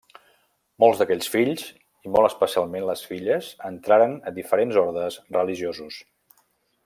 Molts d'aquests fills, i molt especialment les filles, entraren a diferents ordes religiosos.